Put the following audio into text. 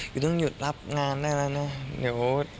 คือต้องหยุดรับงานได้แล้วนะเดี๋ยว